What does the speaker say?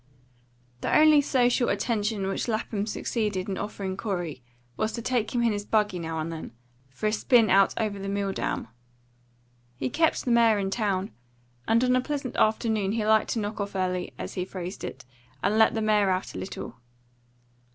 The only social attention which Lapham succeeded in offering Corey was to take him in his buggy, now and then, for a spin out over the Mill dam. He kept the mare in town, and on a pleasant afternoon he liked to knock off early, as he phrased it, and let the mare out a little.